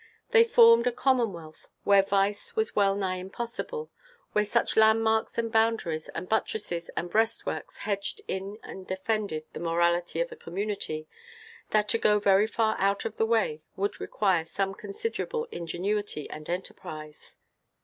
They formed a commonwealth where vice was wellnigh impossible; where such landmarks and boundaries and buttresses and breastworks hedged in and defended the morality of a community, that to go very far out of the way would require some considerable ingenuity and enterprise.